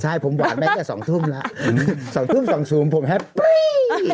ใช่ผมกว่าแมมแคะสองทุ่มแล้วสองทุ่มสองซูมผมแฮปปรี้